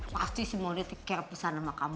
pasti simone de dipercaya pisah nama kamu